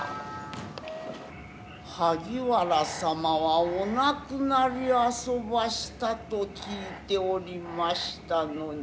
萩原様はお亡くなりあそばしたと聞いておりましたのに。